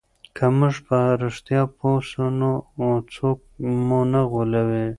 که موږ په رښتیا پوه سو نو څوک مو نه غولوي.